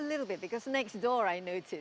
beritahulah saya sedikit karena di depan pintu saya